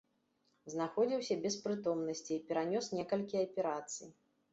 Знаходзіўся без прытомнасці і перанёс некалькі аперацый.